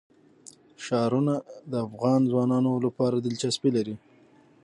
ښارونه د افغان ځوانانو لپاره دلچسپي لري.